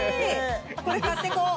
これ買ってこう。